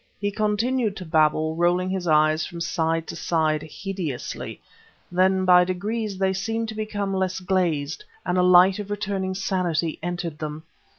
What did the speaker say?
He continued to babble, rolling his eyes from side to side hideously; then by degrees they seemed to become less glazed, and a light of returning sanity entered them.